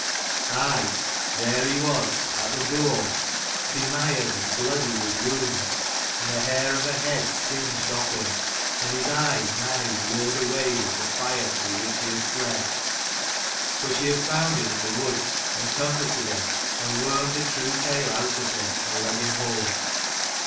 Aye, there he was, at the door, bemired and bloody with wounds, and the hair of head singed off him, and his eyes nigh bleared away with the fire through which he had fled. But she had found him in the woods, and comforted him, and wormed a true tale out of him, and led him home.